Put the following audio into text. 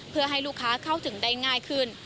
เพื่อให้ลูกค้าเข้าถึงได้ง่ายขึ้น